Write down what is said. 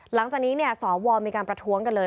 หลังจากนี้สวมีการประท้วงกันเลย